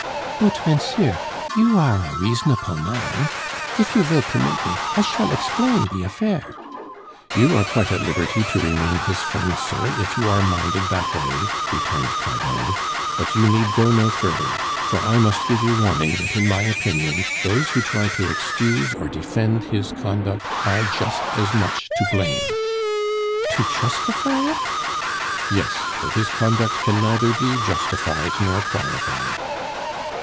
"Boot, mennseir, you are a reasonaple mann; gif you vill bermit me, I shall exblain die affair " "You are quite at liberty to remain his friend, sir, if you are minded that way," returned Cardot, "but you need go no further; for I must give you warning that in my opinion those who try to excuse or defend his conduct are just as much to blame." "To chustify it?" "Yes, for his conduct can neither be justified nor qualified."